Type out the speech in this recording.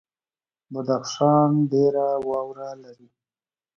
بدخشان ډیره واوره لري